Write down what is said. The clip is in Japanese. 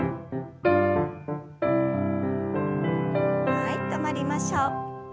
はい止まりましょう。